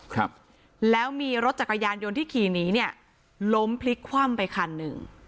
ครับแล้วมีรถจักรยานยนต์ที่ขี่หนีเนี่ยล้มพลิกคว่ำไปคันหนึ่ง